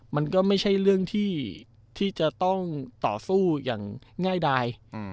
มันก็ไม่ใช่เรื่องที่จะต้องต่อสู้อย่างง่ายดาย